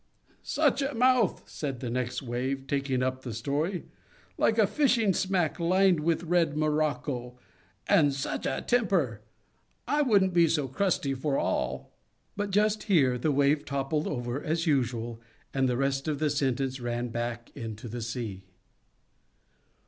"Such a mouth!" said the next Wave, taking up the story. "Like a fishing smack lined with red morocco! And such a temper! I wouldn't be so crusty for all" but just here the Wave toppled over as usual, and the rest of the sentence ran back into the sea.